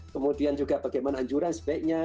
kemudian juga bagaimana anjuran sebaiknya